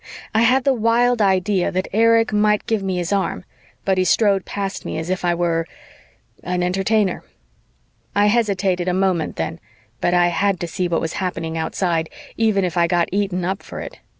I had the wild idea that Erich might give me his arm, but he strode past me as if I were ... an Entertainer. I hesitated a moment then, but I had to see what was happening outside, even if I got eaten up for it.